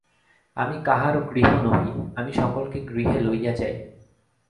আমি কাহারো গৃহ নহি, আমি সকলকে গৃহে লইয়া যাই।